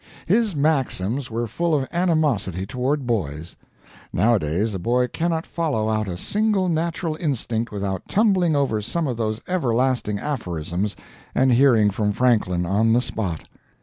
His maxims were full of animosity toward boys. Nowadays a boy cannot follow out a single natural instinct without tumbling over some of those everlasting aphorisms and hearing from Franklin, on the spot.